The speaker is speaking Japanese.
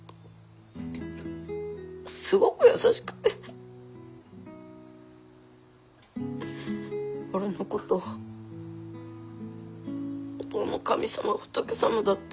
すごく優しくて俺のことをおとうの神様仏様だって。